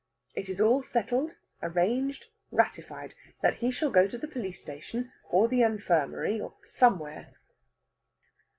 It is all settled, arranged, ratified, that he shall go to the police station, or the infirmary, "or somewhere."